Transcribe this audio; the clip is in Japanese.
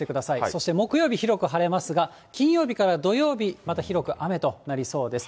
そして木曜日、広く晴れますが、金曜日から土曜日、また広く雨となりそうです。